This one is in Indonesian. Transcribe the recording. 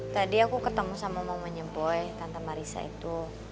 tadi aku ketemu sama mamanya boy tante marisa itu